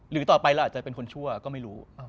ต่อไปเราอาจจะเป็นคนชั่วก็ไม่รู้